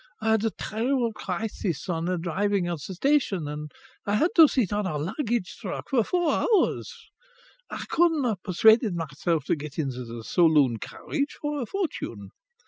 I had a terrible crisis on arriving at the station, and I had to sit on a luggage truck for four hours. I couldn't have persuaded myself to get into the saloon carriage for a fortune!